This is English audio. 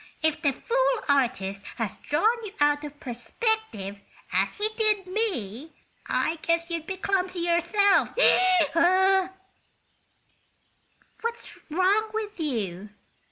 "If the fool artist had drawn you out of perspective, as he did me, I guess you'd be clumsy yourself." "What's wrong with you?"